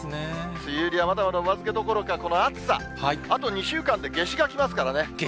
梅雨入りはまだまだお預けどころか、この暑さ、あと２週間で夏至がきますからね。